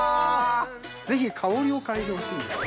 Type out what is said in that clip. ぜひ香りを嗅いでほしいんです。